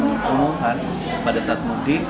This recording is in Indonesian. kemungkinan pada saat mudik